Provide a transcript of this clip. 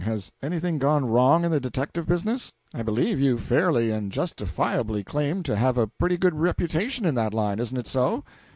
Has anything gone wrong in the detective business? I believe you fairly and justifiably claim to have a pretty good reputation in that line, isn't it so?"